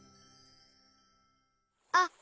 あっ！